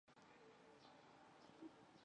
圣马塞昂缪拉人口变化图示